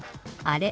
「あれ」